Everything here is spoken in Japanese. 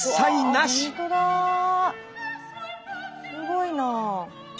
すごいな。